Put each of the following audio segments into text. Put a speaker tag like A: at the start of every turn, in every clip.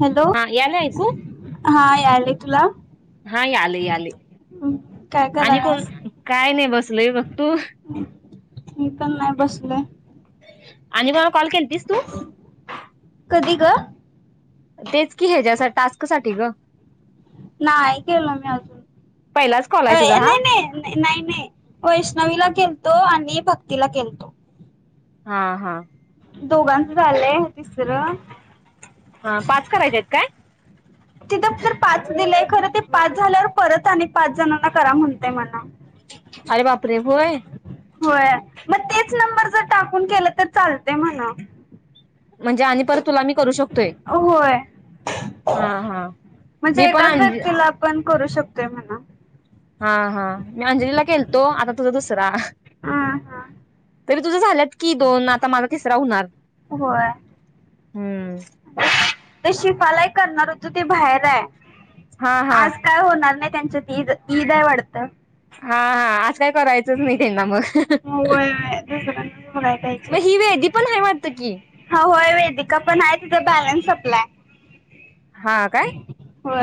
A: Hello
B: हा याले ऐकू
A: हा याले तुला.
B: हा आले आले
A: हम्म, काय
B: आणि कोण
A: करायलास
B: काय नाही बसलय बघ तू.
A: मी पण नाही बसलोय.
B: आणि मला कॉल केली तीस तू.
A: कधी ग.
B: तेच की ह्याच्या टास्क साठी ग.
A: नाही केेलो मी अजून
B: पहिलाच कॉल
A: अ
B: आहे तुझा हा
A: नाही न. नाही नाही वैष्णवीला खेलतो आणि भक्तीला खेलतो.
B: हा हा.
A: दोघांचं झालंय तिसर.
B: ह पास करायचे आहेत काय.
A: तिथं तर पाच दिलंय खरं ते पाच झाल्यावर परत आणि पाच जण. करा म्हणतय म.
B: अरे बापरे होय
A: होय मग तेच नंबर जर टाकून केला तर चालते म्हणा.
B: म्हणजे आणि परत तुला मी करू शकतो.
A: होय
B: हा मी
A: म्हणजे
B: पण
A: एकाच
B: अंज
A: व्यक्तीला. पण करू शकतोय म्हणा.
B: हा हा मी अंजलीला केलतो आता तुझा दुसरा.
A: हा हा
B: तरी तुझ्या झाल्यात की दोन आता माझा तिसरा होणार.
A: होय.
B: हम्म.
A: ते शिल्पाला एक करणार होत ते बाहेर आहे.
B: हा हा.
A: आज काय होणार नाही त्यांच्यात ईद ईद आहे वाढत.
B: हा हा आज काय करायचंच नाही त्यांना मग.
A: हो [unintelligible]
B: मग हि वेदी पण हे वाटतं की.
A: ह होय वेदिका पण आहे तिथं बॅलन्स सप्लाय.
B: हा काय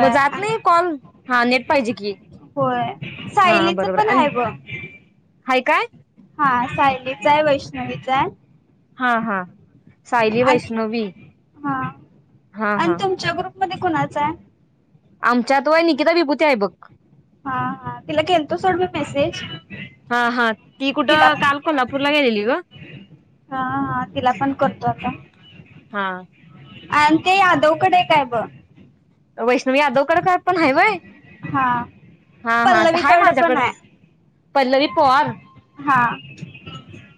B: मग जात नाही कॉल हा नेट पाहिजे की?
A: होय
B: हा
A: सायलीच
B: बरोबर
A: पण ह
B: आणि
A: बघ.
B: हाय काय
A: हा सायलीचा आहे, वैष्णवीचा आहे.
B: हा हा, सायली,
A: आणि
B: वैष्णवी‌
A: हा आणि तुमच्या ग्रुपमध्ये कुणाचा आहे.
B: आमच्यात वय निकिता विभूते आहे बघ.
A: हा हा, तिला केलं तो सोड मी मेसेज.
B: हा हा ती
A: तिला
B: कुठं काल कोल्हापूरला गेलेली ग.
A: हा हा तिला पण करतो आता.
B: हा.
A: आणि ते यादवकडे एकाय ब.
B: वैष्णव यादवकडे का पण हाय वय,
A: हा
B: हा हा हाय
A: पल्लवीकडं पण
B: माझ्याकड.
A: आहे
B: पल्लवी पोवार,
A: हा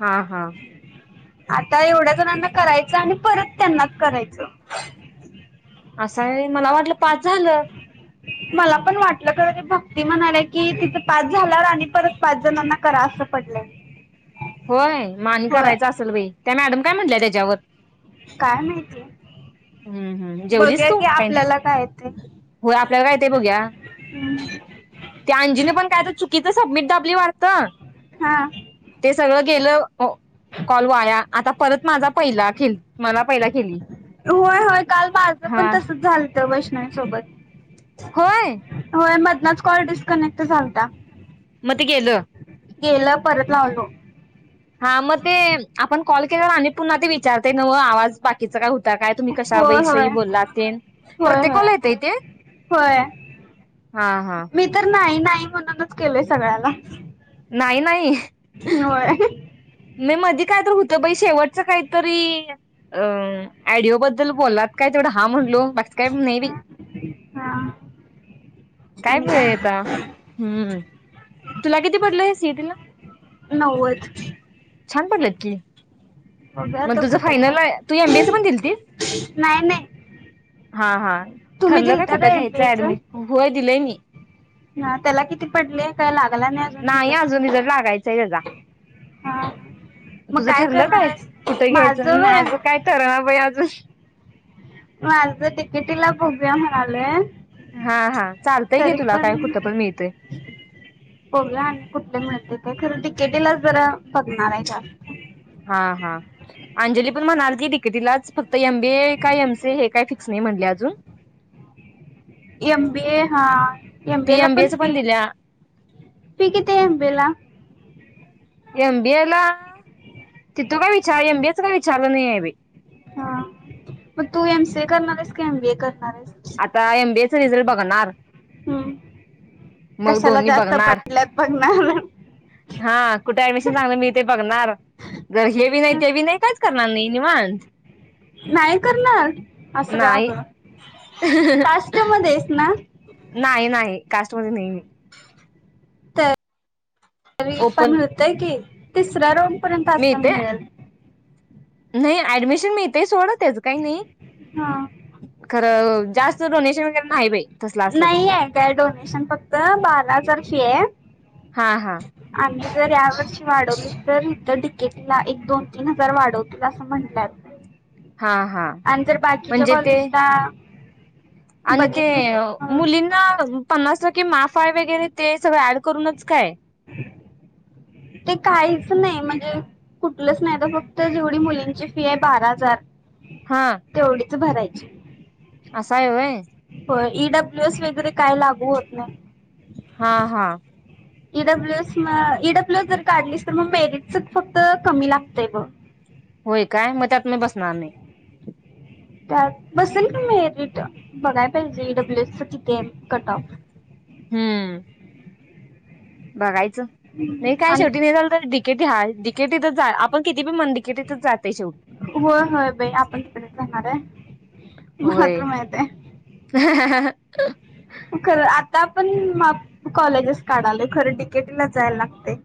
B: हा हा‌.
A: आता एवढ्या जणांना करायचं आणि परत त्यांनाच करायचं.
B: असं हाय वय मला वाटलं पाच झालं.
A: मला पण वाटलं खर ती भक्ती म्हणाल्या की तिथ पाच झाल्या आणि परत पाच जणांना करा असं पडलय.
B: होय म आणि
A: होय
B: करायच असल बाई, त्या मॅडम काय म्हटलंय त्याच्यावर.
A: काय माहिती.
B: हम्म हम्म जेवलीस
A: बघूया
B: तू
A: की
B: काही.
A: आपल्याला काय येते
B: होय आपल्याला काय ते बघूया. ते अंजीन पण काय तर चुकीच सबमिट दाबली वाटतं.
A: हा.
B: ते सगळं गेलं, कॉल वाया. आता परत माझा पहिला [unintelligible] मला पहिला खेली.
A: होय होय काल माझं पण तसच झालंत वैष्णवी सोबत.
B: होय.
A: होय मदनच कॉल डिस्कनेक्ट झालता.
B: म ते गेलं.
A: गेलं परत लावलो.
B: हा मग ते आपण कॉल केल्यावर आणि पुन्हा ते विचारतय नवं आवाज बाकीचं काय ‌ हो काय तुम्ही कशा
A: होय
B: वैषयी
A: होय
B: बोलला तेन,
A: होय
B: प्रत्येक कॉल
A: होय
B: येतंय ते.
A: होय.
B: हा हा.
A: मी तर नाही नाही म्हणूनच केलोय सगळ्याला.
B: नाही नाही.
A: होय
B: मी मधी काय तर होत बाई शेवटच काहीतरी अ एडिओ बद्दल बोललात. काय तेवढं हा म्हणलो बाकीचं काय नाही बाई.
A: हा
B: काय बाई आता, हम्म. तुला किती पडले सी ई टी ला.
A: नव्वद.
B: छान पडलेत की.
A: बघूया
B: मग
A: आता
B: तुझं
A: कुठे
B: फायनल हाय,
A: घ्यायचं
B: तू एम बी एच पण दिलती.
A: नाही नाही
B: हा हा
A: तुम्ही
B: ठरलं काय
A: दिलता
B: कुठं
A: का
B: घ्यायचं
A: एमपीएच
B: ऍडमिशन.
A: हा त्याला किती पडले काय लागला नाही.
B: नाही अजून रिझल्ट लागायचंय त्याजा.
A: हा मग
B: तुझं ठरलं
A: करणार
B: काय
A: आहेस
B: कुठं घ्यायचं?
A: वय
B: माझं काय ठरणा बाई अजून
A: माझं डी के टी ला बघूया म्हणालोय
B: हा हा चालतंय घे
A: तरी
B: तुला काय कुठं पण मिळतय.
A: बगुया आणि कुठे मिळते ते खरं डि के टी ला जरा बघणार आहे जास्त.
B: हा हा. अंजली पण म्हणालती डी के टी लाच फक्त एम बी ए काय एम सी ए हे काय फिक्स नाही म्हटले अजून
A: एम बी ए हा एम बी
B: ती
A: ए ला पण
B: एमबीएच
A: फी
B: दिल्या
A: फी किती आहे एम बी ए ला?
B: एम बी ए ला तिथ काय विचार एम बी एच काय विचारलं नाही आहे बाई.
A: हा मग तू एम सी ए करणार आहेस की? एम बी ए करणार आहेस?
B: आता एमबीएच रिझल्ट बघणार
A: हम्म
B: मग
A: कशाला
B: दोन्ही
A: जास्त
B: बघणार
A: पडलेत बघनार
B: हा. कुठे ऍडमिशन चागलं मिळतंय बघणार जर हे बी नाही ते बीनाही काहीच करणार नाही. निवांत
A: नाही करणार? असं का
B: नाही
A: ग? कास्ट मध्ये आहेस ना?
B: नाही नाही कास्टमध्ये नाहीे मी.
A: तरी पण
B: ओपन
A: मिळतय की. तिसऱ्या रोम पर्यंत अस
B: मिळते
A: मिळेल.
B: नाही ऍडमिशन मिळतेय सोडं त्याचं काही नाही.
A: हा.
B: खरं जास्त डोनेशन वगैरे नाही बाई. तसलं असलं तर
A: नाही
B: मग
A: आहे काय डोनेशन फक्त बारा हजार फी आहे.
B: हा हा
A: आणि जर या वर्षी वाढवली तर इथ डी के टी ला एक, दोन, तीन हजार वाढवतील. अस म्हंटल्यात
B: हा हा
A: आणि जर बाकीचे
B: म्हणजे ते
A: कॉलज ला
B: आणि ते मुलींना पन्नास कि माफा आहे वगैरे ते सगळं ऍड करूनच काय?
A: ते काहीच नाही म्हणजे कुठलंच नाही त फक्त जेवढी मुलींची फी आहे बारा हजार
B: हा.
A: तेवढीच भरायची
B: आस आय होय?
A: होय ई डब्ल्यू एस वगैरे काय लागू होत नाही.
B: हा हा.
A: E W S- E W S जर काढलीस तर मग मेरिट फक्त कमी लागतय बग
B: होय काय? मग त्यात मी बसणार नाही.
A: त्यात बसल की मेरिट बघाय पाहिजे ई डब्ल्यू एस च किती ये कट ऑफ
B: हम्म. बघायचं. नाही काय
A: आणि
B: शेवटी नाही झालं तर डि के टी हायच डि के टी च जान आप
A: होय होय बाई आपण तिकडचं जाणार हाय. मला
B: होय.
A: तर माहिती आहे.
B: [unintelligible]
A: खरं आता आ माप कॉलेजस काडालोयखरं डीकेटीला जायला लागतय.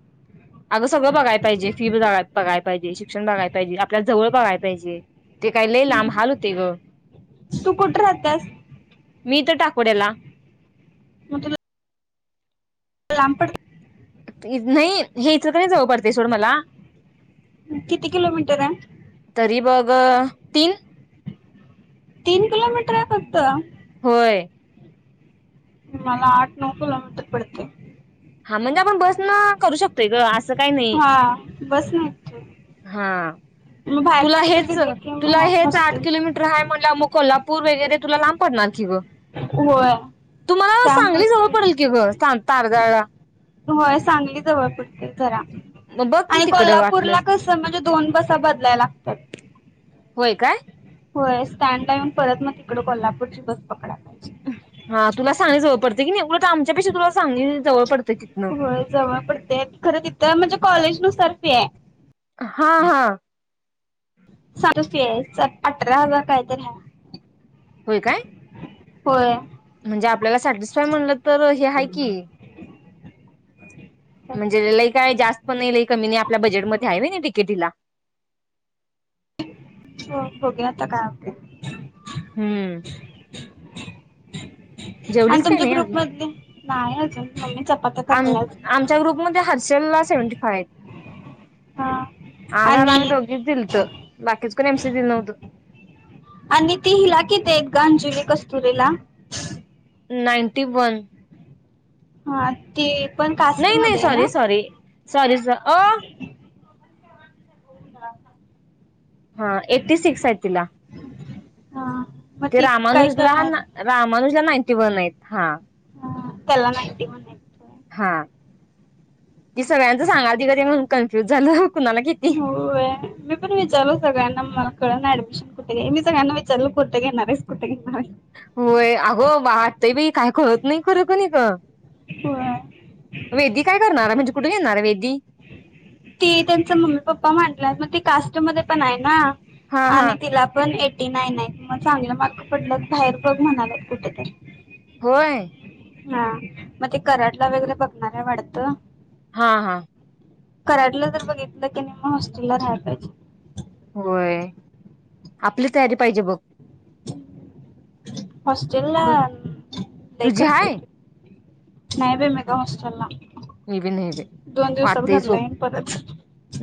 B: अगं सगळं बघाय पाहिजे फी बघाय पायजे, शिक्षण बघाय पाहिजे, आपल्याला जवळ बघाय पाहिजे ते काय लई लांब हल होतय ग
A: तू कुठे राहत्यास
B: मी हित टाकोड्याला
A: मग तुला लांब पडत
B: नाही हे इचलकरंजी जवळ पडतय सोड मला.
A: किती किलोमीटर आहे.
B: तरी बघ तीन.
A: तीन किलोमीटर आहे फक्त.
B: होय.
A: मला आठ नऊ किलोमीटर पडते.
B: हा म्हणजे आपण बस न करू शकतोय ग असं काही नाही
A: हा बस न येतंय.
B: हा तुला
A: तर
B: हेच
A: गेले की
B: तुला
A: मग
B: हेच आठ
A: हॉस्टेल
B: किलोमीटर. मीटर आहे म्हंटल्यावर कोल्हापूर वगैरे तुला लांब पडणार कि ग.
A: होय
B: तुम्हाला सांगली जवळ
A: त्यामुळे
B: पडेल की ग तारदाळ ला.
A: होय सांगली जवळ पडतंय जरा.
B: मग बघ की
A: आणि
B: तिकडं
A: कोल्हापूरला
B: वाटलंस
A: कस म्हणजे दोन बसा बदलायला लागतात.
B: होय काय?
A: होय स्टँड ला येऊन परत मग तिकड कोल्हापूरची बस पकडाय.
B: हा तुला सांगली जवळ पडते कि नाही उगाच आमच्या पेक्षा तुला सांगली जवळ पडते. तिथनं.
A: हो जवळ पडते खरं तिथं म्हणजे कॉलेज नुसार फी आहे.
B: हा हा.
A: चालूच की पठरा हजार कायतरी आहे.
B: होय काय.
A: होय.
B: म्हणजे आपल्याला सॅटिस्फाय म्हणलं तर हे आहे की. म्हणजे लई काय जास्त पण नाही लई कमी नाही आपल्या बजेटमध्येध्ये आहे की नाही डिकेटी ला.
A: हो बगूया आता काय होते.
B: हम्म.
A: [inaudible] आणि
B: जेवलीच काय
A: तुमच्या
B: नाही
A: ग्रुप
B: अजून
A: मध नाही अजून मम्मी चपाात्या करताय.
B: ग्रुप मध्ये हर्षेल ला सेवंटी फाव आहेत.
A: हा
B: आ गा ला आम्ही
A: आणि
B: दोघीच दिलत बाकीच कोण एमसी दिल नव्हतं.
A: आणि ती हिला कितीेत आहेत ग अंजीलि कस्तुरीला.
B: नाईनटी वन
A: हा ते पण
B: नाही नाही
A: कास्टमध्ये आहे ना.
B: सॉरी सॉरी सॉरी सर अ. हा एटी सिक्स आहे तिला.
A: हा. मग
B: ते
A: ती काय
B: रामानुजला
A: करणार
B: रामानुजला नाईंटी वन आहेत हा.
A: हा तेला नाइटी वन आहेत.
B: हा ती सगळ्यांच सांगा म्हणून कन्फ्युज झालं कुणाला किती.
A: हो मी पण विचारलो सगळ्यांना मला कळ ना ऍडमिशन कुठे घ्यायचं मी सगळना विच चल्ल कुठ्टे नरेश कुठे न [unintelligible]
B: होय अगं वाटतंय बा काय करत नाही खरं का नाही का
A: हो
B: वेदी काय करणार आहे म्हणजे कुठे येणार वेदी
A: ती त्यांचा मम्मी पप्पा म्हटला मग ती कास्ट मध्ये पण आहे ना
B: हा हा
A: आणि तिला. पण एटी नाईन आहे मग चांगलं मार्क पडलं बाहेर बघ म्हणाला कुठेतरी.
B: होय.
A: हा मग ते कराडला वगैरे बघणार आहे वाढत.
B: हा, हा.
A: कराडला जर बघितलं की मग हॉस्टेलला राहाला पाहिजे.
B: होय आपली तयारी पाहिजे बघ
A: हॉस्टेल ला
B: तू
A: नाही
B: तुझी
A: कर
B: हाय
A: नाही ब मी का होस्टेलला
B: मी बी नाही बा वाटते सोप
A: येईन परत.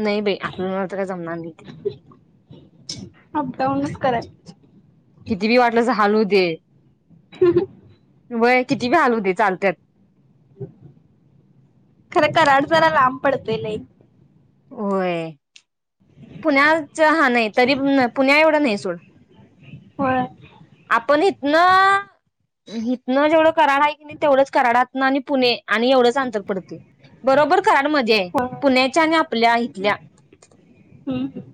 B: नाही बाई आपल्या मत काय जमणार नाही.
A: अपडाऊन करायचं.
B: किती बी वाटलं हलू दे वय किती बी हालू दे चालतत.
A: खरं कड जरा लांब पडत लई
B: होय पुण्याच हा नाही तरी पुण्या एवढं नाही सोड
A: होय
B: आपण इथ ना हिथनं जेवढं कराड आहे की नाही तेवढंच कराडातनं आणि पुणे आणि एवढंच अंतर पडते. बरोबर कराड मध्ये आहे
A: होय.
B: पुण्याच्या आणि आपल्या इथल्या
A: हम्म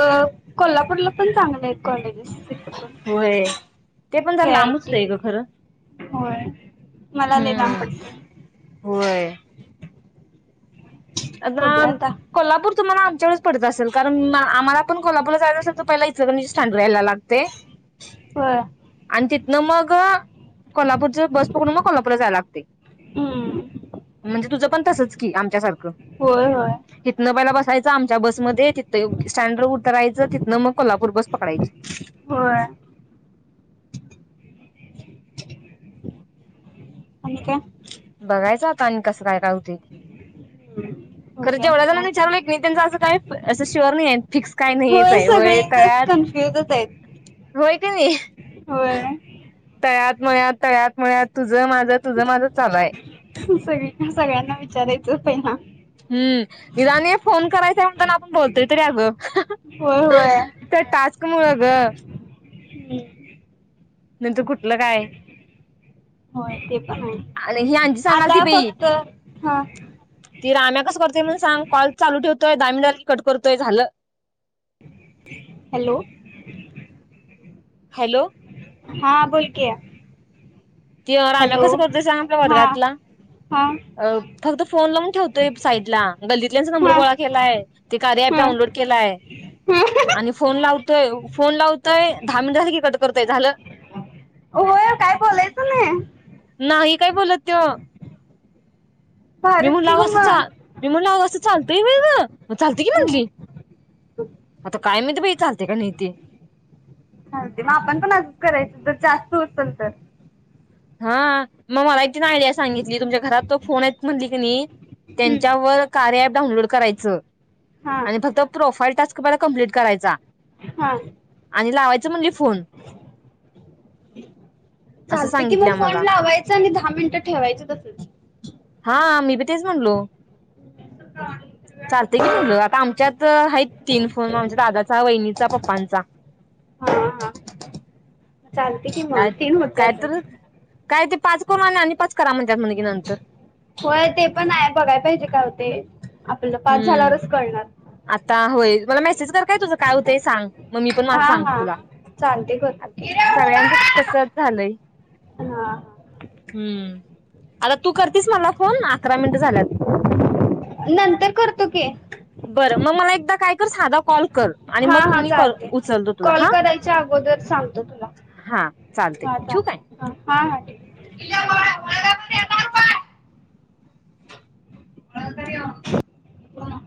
A: अ कोल्हापूरला पण चांगलं आहे. कॉलेजित
B: होय. ते पण जर लांबच
A: कयट [unintelligible]
B: आहे ग खरं.
A: होय मला लय
B: हम्म
A: लांब पडत.
B: होय. आ
A: बघूया आता
B: [unintelligible] कोल्हापूरु्हाला आमच्याकडेच पडं असेल कारण आम्हालाण कोल्हापूर जाय असेल तर पहिला इथक स्टँड यायला लागते. [inaudible]
A: हो,
B: आणि तिथनं मग कोल्हापूरच बस पकडून मग कोल्हापूरला जायला लागते.
A: हम्म
B: म्हणजे तुझ पण तसच कि आमच्या सारखं
A: होय होय.
B: तिथनं पहिला बसायचं आमच्या बसमध्ये तिथं स्टँड वर उत राहायचं तिथनं मग कोल्हापूर बस पकडायची.
A: हो अम का [unintelligible]
B: बघायच आता आणि कसं काय राहते.
A: हम [unintelligible]
B: खरं जेवढं झाला विचारलं एक नाही त्यांं असं काय असं श्युअर नाही आहे फिक्स काय नाहीच आहे व तळ्यात
A: फ [unintelligible]
B: होय की नाही
A: होय.
B: तळ्यात मळत तळ्यात मळत तुझं माझ तुझं माझा चाल आहे.
A: सगळी सगळ्यांना विचारायचंच आहे ना
B: हम् इदाणी फोन करायचा आहे म्हणता ना आपण बोलतोय त अग
A: होय
B: तर टास्क मुळ ग
A: होय
B: नंतर कुठलं काय
A: होय ते प हो
B: आणि ही अंजी
A: आता
B: सांगालती
A: फक्त ह
B: ति रा आम्या कस करतयण सांग कॉल चालू ठवतोय दामिली कट करतोय झालं.
A: हॅलो-
B: हॅलो
A: हा बोल की
B: ते राम्या
A: हॅलो
B: कसं करतय सांग आपल्या
A: हा
B: वर्गातला?
A: हा
B: अ फक्त फोन लावून ठेवतोय साईड ला गल्दीतल्याचा नंबर
A: हा
B: गोळा केलाय. ते कार्य ॲप
A: हा हा.
B: डाऊनलोड केलं आहे. आणि फोन लावतोय फोन लावतोय दहा मिनिटसाठी कट करतय झालं.
A: होय काय बोलायचं नाही.
B: नाही काय बोलत त मी
A: भारीच
B: म्ह
A: की ग
B: लावासचा
A: मग
B: मी म्हणून ना अससं चालतंय म चालते की
A: हम्म.
B: म्हटली आता काय माहिती बाई चालते का नाही ते
A: ते मग आपण पण अजू करायच ज जास्त असल तर [unintelligible]
B: हा मग मला एक तिन आइड्या सांगितली तुमच्या घरात तो फोन आहेत म्हटली की नाही
A: हम्म.
B: त्यांच्यावर, कार्या अॅप डाउनलोड करायच
A: हा
B: आणि फक्त प्रोफाईल टास्क कमप्लीट करायचा
A: हा
B: आणि लावायचं म्हणजे फोन असं
A: चालते की मग
B: सांगितल्या
A: फोन
B: मला
A: लावायचं आणि दहा मिनिटं ठेवायचं तसंच
B: हा मी बी तेच म्हणलो चालते की म्हटलं आता आमच्यात आहे तीन फोन आमच्या दादाचा वहिनीचा पप्पांचा,
A: हा हा चालते कि म
B: काय
A: तीन
B: काय तर
A: होतातच
B: काय ते पाच कर आणि पाच करा म्हणतात म्हण की नंतर
A: होय ते पण आहे बघाय पाहिजे काय हो ते आपल्याला पाच
B: हम्म
A: झाल्यावरच कळणार
B: आता होय मला मेसेज कर काय तुझं काय होतं सांग मग मी पण माझ सांगतो तुला
A: चालतय करतो की
B: सगळ्यांच तसच झालंय
A: हा
B: हम्म आता तू करतीस मला फोन अकरा मिनट झाल्यात
A: नंतर करतो की
B: बरं मग मला एकदा काय कर साधा कॉल कर आणि
A: हा
B: मग
A: हा
B: मी कॉल
A: चालते.
B: उचलतो तुला
A: कॉल
B: हा
A: करायच्या अगोदर सांगतो
B: हा चालतय ठिवू काय?
A: ह हा हा ठेव हळकारण [unintelligible]